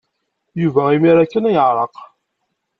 Yuba imir-a kan ay yeɛreq.